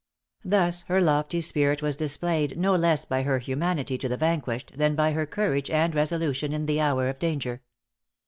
Thus her lofty spirit was displayed no less by her humanity to the vanquished, than by her courage and resolution in the hour of danger.